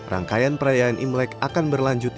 rangkaian perayaan imlek akan berlanjut